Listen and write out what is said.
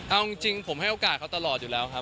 เอาจริงผมให้โอกาสเขาตลอดอยู่แล้วครับ